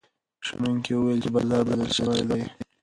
شنونکي وویل چې بازار بدل شوی دی.